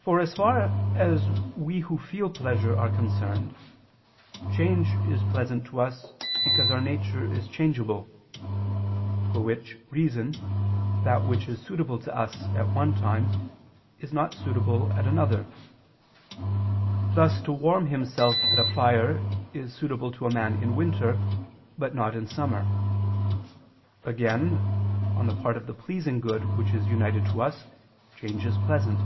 For as far as we who feel pleasure are concerned, change is pleasant to us because our nature is changeable: for which reason that which is suitable to us at one time is not suitable at another; thus to warm himself at a fire is suitable to man in winter but not in summer. Again, on the part of the pleasing good which is united to us, change is pleasant.